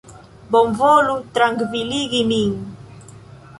Bonvolu trankviligi min.